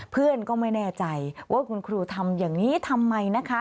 เพื่อนก็ไม่แน่ใจว่าคุณครูทำอย่างนี้ทำไมนะคะ